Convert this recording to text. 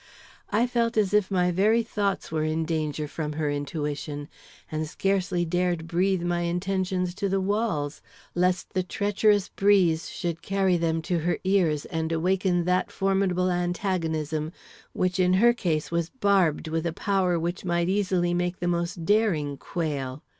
I felt as if my very thoughts were in danger from her intuition, and scarcely dared breathe my intentions to the walls, lest the treacherous breeze should carry them to her ears and awaken that formidable antagonism which in her case was barbed with a power which might easily make the most daring quail.